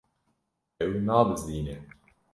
Ew nabizdîne.